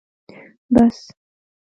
بس